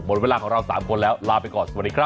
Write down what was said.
หมดเวลาของเรา๓คนแล้วลาไปก่อนสวัสดีครับ